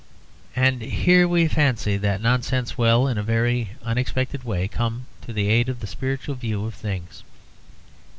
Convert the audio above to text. And here we fancy that nonsense will, in a very unexpected way, come to the aid of the spiritual view of things.